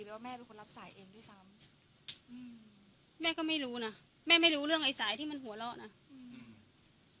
ว่าแม่เป็นคนรับสายเองด้วยซ้ำอืมแม่ก็ไม่รู้นะแม่ไม่รู้เรื่องไอ้สายที่มันหัวเราะน่ะอืม